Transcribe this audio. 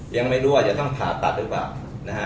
ยังไม่รู้ว่าจะต้องผ่าตัดหรือเปล่านะฮะ